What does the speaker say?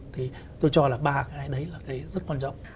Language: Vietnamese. thì tôi cho là ba cái đấy là cái rất quan trọng